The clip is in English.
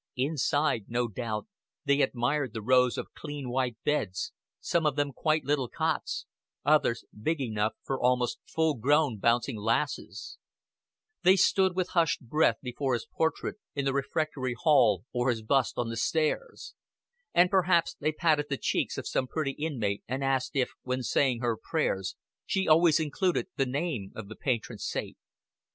Inside, no doubt they admired the rows of clean white beds, some of them quite little cots, others big enough for almost full grown bouncing lasses; they stood with hushed breath before his portrait in the refectory hall or his bust on the stairs; and perhaps they patted the cheeks of some pretty inmate and asked if, when saying her prayers, she always included the name of the patron saint.